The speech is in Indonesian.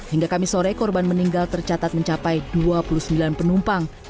hingga kamis sore korban meninggal tercatat mencapai dua puluh sembilan penumpang